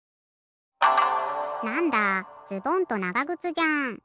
なんだズボンとながぐつじゃん。